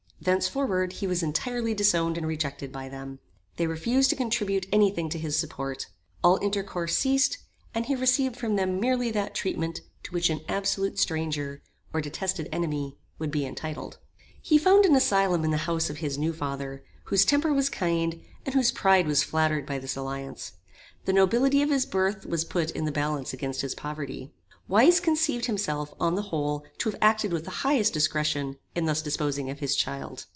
Thenceforward he was entirely disowned and rejected by them. They refused to contribute any thing to his support. All intercourse ceased, and he received from them merely that treatment to which an absolute stranger, or detested enemy, would be entitled. He found an asylum in the house of his new father, whose temper was kind, and whose pride was flattered by this alliance. The nobility of his birth was put in the balance against his poverty. Weise conceived himself, on the whole, to have acted with the highest discretion, in thus disposing of his child.